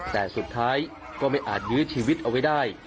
แต่สุดท้ายก็ไม่อาจยื้อชีวิตเอาไว้ได้